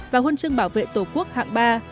và huân chương bảo vệ tổ quốc hạng ba